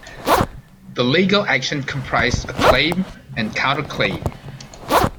The legal action comprised a claim and counterclaim.